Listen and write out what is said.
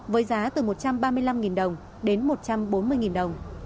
với giá từ một trăm ba mươi năm đồng đến một trăm bốn mươi đồng